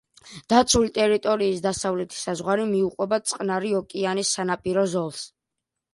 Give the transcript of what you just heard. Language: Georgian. დაცული ტერიტორიის დასავლეთი საზღვარი მიუყვება წყნარი ოკეანის სანაპირო ზოლს.